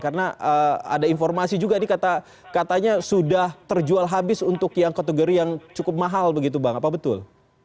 karena ada informasi juga nih katanya sudah terjual habis untuk yang kategori yang cukup mahal begitu bang apa betul